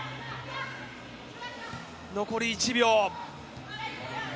残り１秒。